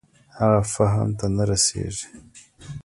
هغه فهم ته نه رسېږي.